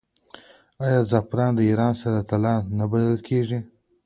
آیا زعفران د ایران سره طلا نه بلل کیږي؟